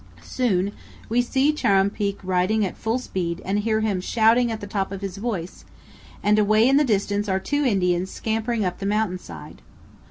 Soon we see Chuar'ruumpeak riding at full speed and hear him shouting at the top of his voice, and away in the distance are two Indians scampering up the mountain side.